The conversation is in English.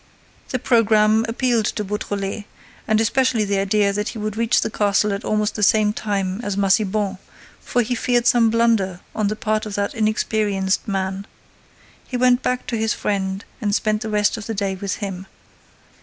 The programme appealed to Beautrelet, and especially the idea that he would reach the castle at almost the same time as Massiban, for he feared some blunder on the part of that inexperienced man. He went back to his friend and spent the rest of the day with him.